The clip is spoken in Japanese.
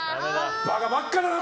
バカばっかだな！